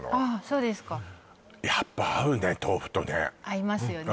そうですかやっぱ合うね豆腐とね合いますよね